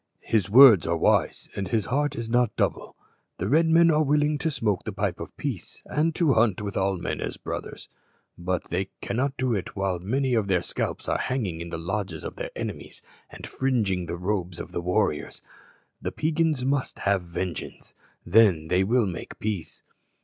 "His words are wise, and his heart is not double. The Red men are willing to smoke the pipe of peace, and to hunt with all men as brothers, but they cannot do it while many of their scalps are hanging in the lodges of their enemies and fringing the robes of the warriors. The Peigans must have vengeance; then they will make peace."